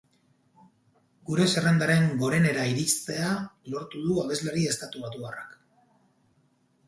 Gure zerrendaren gorenera iristea lortu du abeslari estatubatuarrak.